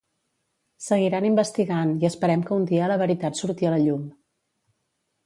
Seguiran investigant i esperem que un dia la veritat surti a la llum.